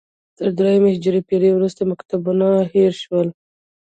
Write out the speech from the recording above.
تر درېیمې هجري پېړۍ وروسته مکتبونه هېر شول